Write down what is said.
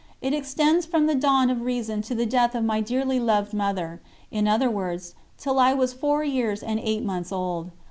It extends from the dawn of reason to the death of my dearly loved Mother; in other words, till I was four years and eight months old.